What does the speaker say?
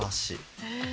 へえ。